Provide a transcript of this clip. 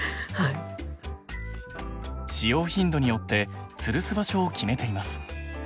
使用頻度によってつるす場所を決めています。